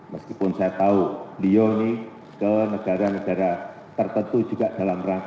meskipun saya tahu beliau ini ke negara negara tertentu juga dalam rangka